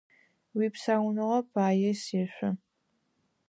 Уипсауныгъэ пае сешъо!